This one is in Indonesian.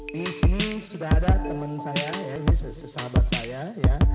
di sini sudah ada teman saya ini sahabat saya